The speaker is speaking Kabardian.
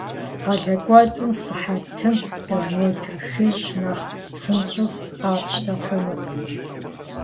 Къалэ кӏуэцӏым сыхьэтым километр хыщӏ нэхъ псынщӏэ къапщтэ хъунукъым.